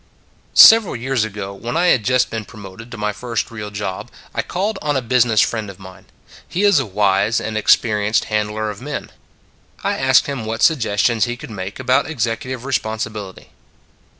SEVERAL years ago when I had just been promoted to my first real job, I called on a business friend of mine. He is a wise and experienced handler of men; I asked him what suggestions he could make about executive responsibility.